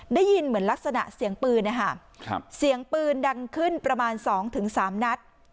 ได้ยินเหมือนลักษณะเสียงปืนอะฮะครับเสียงปืนดังขึ้นประมาณสองถึงสามนัด